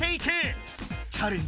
チャレンジ